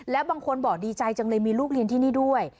แล้วบางคนบอกดีใจจังเลยมีลูกเรียนที่นี่ด้วย